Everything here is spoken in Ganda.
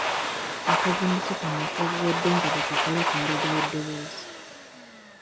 Akazimbiso kano ak’obuwedde nga bwe kakola ku ndeega y’eddoboozi.